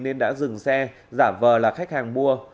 nên đã dừng xe giả vờ là khách hàng mua